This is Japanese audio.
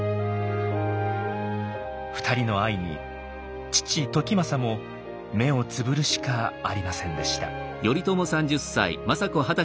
２人の愛に父時政も目をつぶるしかありませんでした。